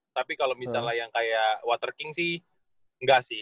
tapi kalau misalnya yang kayak waterking sih enggak sih